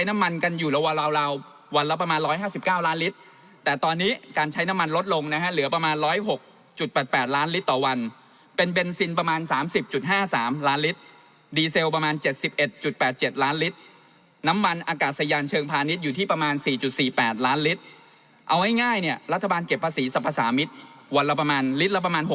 มันลดลงนะฮะเหลือประมาณร้อยหกจุดแปดแปดล้านลิตรต่อวันเป็นเบนซินประมาณสามสิบจุดห้าสามล้านลิตรดีเซลประมาณเจ็ดสิบเอ็ดจุดแปดเจ็ดล้านลิตรน้ำมันอากาศยานเชิงพาณิชย์อยู่ที่ประมาณสี่จุดสี่แปดล้านลิตรเอาให้ง่ายเนี่ยรัฐบาลเก็บภาษีสรรพสามิตรวันละประมาณลิตรละประมาณห